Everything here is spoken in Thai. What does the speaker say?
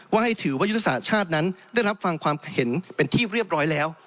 ให้ถือว่ายุทธศาสตร์ชาตินั้นได้รับฟังความเห็นเป็นที่เรียบร้อยแล้ว